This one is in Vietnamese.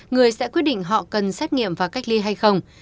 người sẽ quyết định họ cần xét nghiệm và cách ly hay không